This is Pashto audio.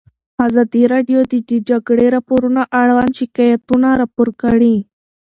ازادي راډیو د د جګړې راپورونه اړوند شکایتونه راپور کړي.